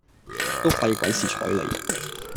都費鬼事彩你